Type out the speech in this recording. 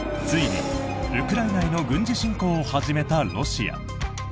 ついにウクライナへの軍事侵攻を始めたロシア。